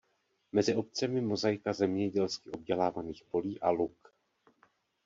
Mezi obcemi mozaika zemědělsky obdělávaných polí a luk.